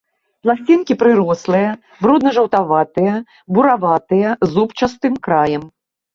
Пласцінкі прырослыя, брудна-жаўтаватыя, бураватыя, з зубчастым краем.